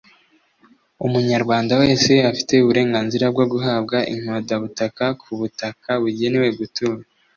Umunyarwanda wese afite uburenganzira bwo guhabwa inkondabutaka ku butaka bugenewe gutura